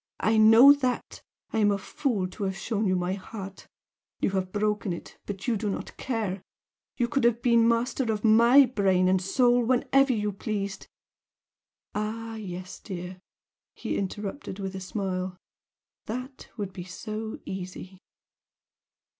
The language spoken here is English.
I know that! I am a fool to have shown you my heart you have broken it, but you do not care you could have been master of my brain and soul whenever you pleased " "Ah yes, dear!" he interrupted, with a smile "That would be so easy!"